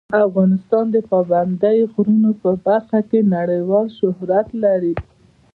افغانستان د پابندی غرونه په برخه کې نړیوال شهرت لري.